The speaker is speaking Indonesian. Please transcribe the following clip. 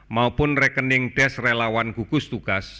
maupun rekening des relawan gugus tugas